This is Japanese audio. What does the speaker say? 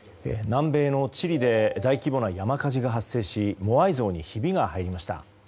南米のチリで大規模な山火事が発生しモアイ像にひびが入りました。